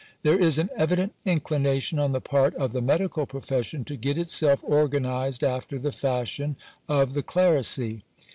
There is an evident inclination on the part of the medical profession to get itself organized after the fashion of the clericy.